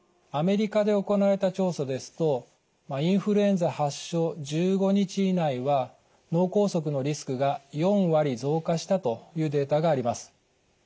アメリカで行われた調査ですとインフルエンザ発症１５日以内は脳梗塞のリスクが４割増加したというデータがあります。